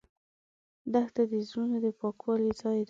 دښته د زړونو د پاکوالي ځای ده.